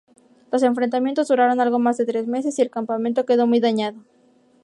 Los enfrentamientos duraron algo más de tres meses y el campamento quedó muy dañado.